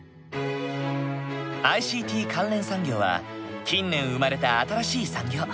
ＩＣＴ関連産業は近年生まれた新しい産業。